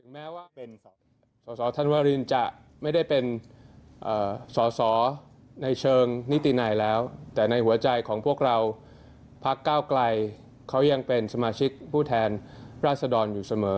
แม้ว่าเป็นสอสอท่านวรินจะไม่ได้เป็นสอสอในเชิงนิตินายแล้วแต่ในหัวใจของพวกเราพักก้าวไกลเขายังเป็นสมาชิกผู้แทนราษดรอยู่เสมอ